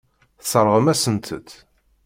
Tesseṛɣem-asent-t.